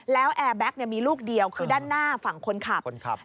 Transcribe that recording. แล้วแอร์แบ็คมีลูกเดียวคือด้านหน้าฝั่งคนขับ